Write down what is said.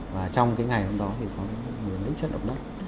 và trong cái ngày hôm đó thì có những trận động đất